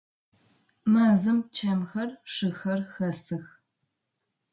Мэзым чэмхэр, шыхэр хэсых.